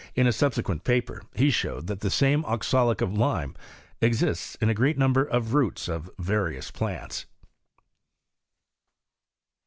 In a subsequent paper he showed, that the same oxalate of lime exists in a great number of roots of various l^ants.